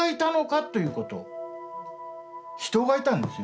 人がいたんですよ